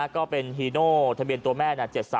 ก็เป็นฮีโน่ทะเบียนตัวแม่๗๓